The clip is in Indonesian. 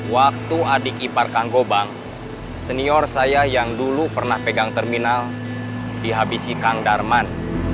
waktu adik ipar kang gobang senior saya yang dulu pernah pegang terminal dihabisi kang darman